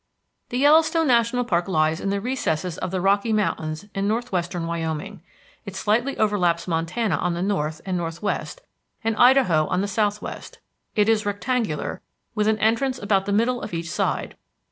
The Yellowstone National Park lies in the recesses of the Rocky Mountains in northwestern Wyoming. It slightly overlaps Montana on the north and northwest, and Idaho on the southwest. It is rectangular, with an entrance about the middle of each side.